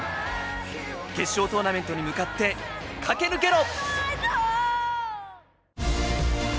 決勝トーナメントに向かって駆け抜けろ！